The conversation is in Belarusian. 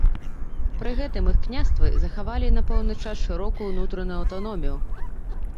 Пры гэтым іх княствы захавалі на пэўны час шырокую ўнутраную аўтаномію.